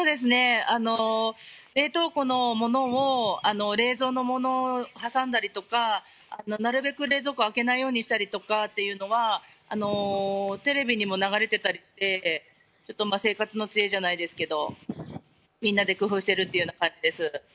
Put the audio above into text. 冷凍庫のものを冷蔵のものに挟んだりとかなるべく冷蔵庫開けないようにしたりというのが、テレビにも流れたりしていて、生活の知恵じゃないですけど、みんなで工夫してるという感じです。